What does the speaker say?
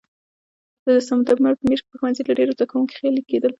د سپټمبر په میاشت کې به ښوونځي له ډېرو زده کوونکو خالي کېدل.